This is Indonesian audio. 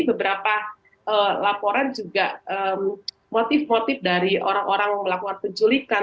beberapa laporan juga motif motif dari orang orang melakukan penculikan